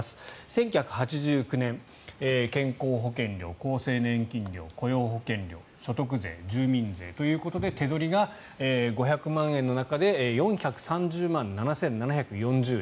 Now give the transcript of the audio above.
１９８９年、健康保険料厚生年金保険料、雇用保険料所得税、住民税ということで手取りが５００万円の中で４３０万７７４０円。